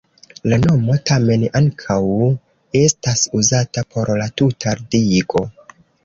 La nomo tamen ankaŭ estas uzata por la tuta digo.